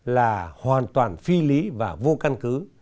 là hoàn toàn phi lý và vô căn cứ